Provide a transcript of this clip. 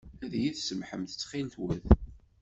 Ad iyi-tsamḥem ttxil-wet?